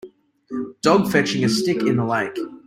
Dog fetching a stick in the lake.